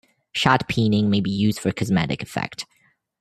Shot peening may be used for cosmetic effect.